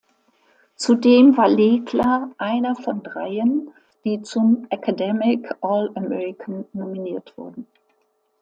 Zudem war Legler einer von dreien, die zum „Academic All-American“ nominiert wurden.